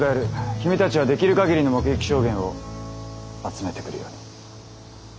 君たちはできる限りの目撃証言を集めてくるように。